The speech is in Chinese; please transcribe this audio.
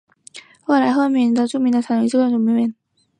后来赫赫有名的巨人马场也几乎在这个时候入门。